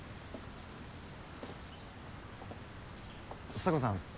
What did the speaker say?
蔦子さん